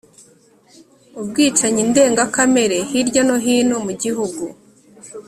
Ubwicanyi ndenga kamere hirya no hino mu gihugu,